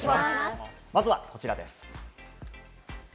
まずはこちらです。